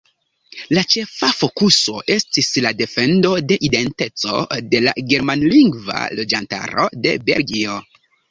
La ĉefa fokuso estis la defendo de identeco de la germanlingva loĝantaro de Belgio.